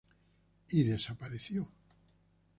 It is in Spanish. Y desapareció.